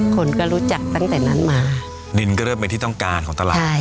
คนก็รู้จักตั้งแต่นั้นมาดินก็เริ่มเป็นที่ต้องการของตลาดใช่